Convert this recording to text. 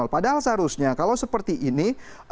padahal seharusnya kalau seperti ini